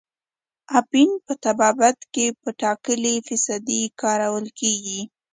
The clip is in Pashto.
اپین په طبابت کې په ټاکلې فیصدۍ کارول کیږي.